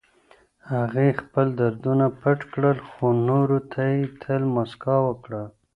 هغې خپل دردونه پټ کړل، خو نورو ته يې تل مسکا ورکړه.